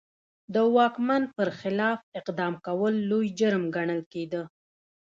د واکمن پر خلاف اقدام کول لوی جرم ګڼل کېده.